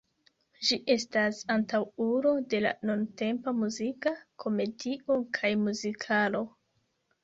Ĝi estas antaŭulo de la nuntempa muzika komedio kaj muzikalo.